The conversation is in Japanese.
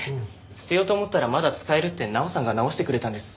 捨てようと思ったらまだ使えるって奈央さんが直してくれたんです。